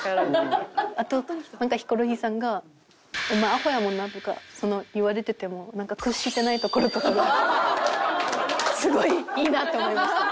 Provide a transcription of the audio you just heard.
あとなんかヒコロヒーさんが「お前アホやもんな」とか言われてても屈してないところとかがすごいいいなって思いました。